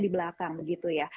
di belakang begitu ya